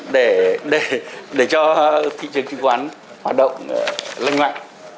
để cho thị trường trương khoán hoạt động lân ngoại